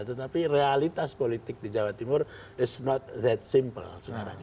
tetapi realitas politik di jawa timur is not that simple sekarang